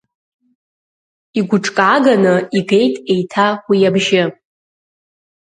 Игәыҿкааганы игеит еиҭа уи абжьы.